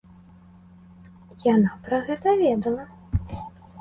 Яна пра гэта ведала.